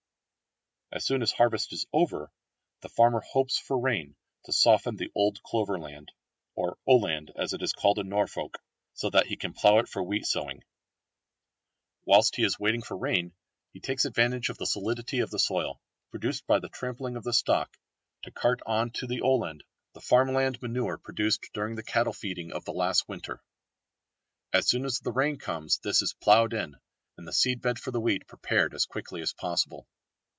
As soon as harvest is over the farmer hopes for rain to soften the old clover land, or olland as it is called in Norfolk, so that he can plough it for wheat sowing. Whilst he is waiting for rain he takes advantage of the solidity of the soil, produced by the trampling of the stock, to cart on to the olland the farmyard manure produced during the cattle feeding of the last winter. As soon as the rain comes this is ploughed in, and the seed bed for the wheat prepared as quickly as possible.